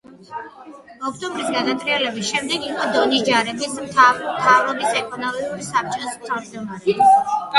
ოქტომბრის გადატრიალების შემდეგ იყო დონის ჯარების მტავრობის ეკონომიკური საბჭოს თავმჯდომარე.